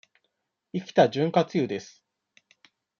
生きた潤滑油です。